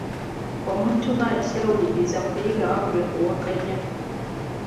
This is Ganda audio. Omuntu bw'ati tawuliriza kuyiga wabula kuwakanya.